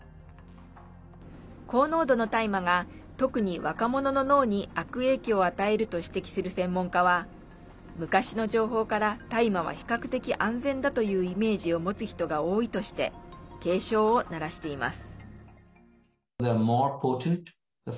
高濃度の大麻が、特に若者の脳に悪影響を与えると指摘する専門家は、昔の情報から大麻は比較的安全だというイメージを持つ人が多いとして警鐘を鳴らしています。